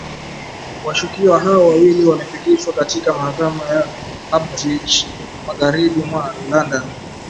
Washukiwa hao wawili wamefikishwa katika mahakama ya Uxbridge magharibi mwa London